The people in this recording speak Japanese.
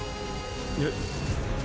えっ。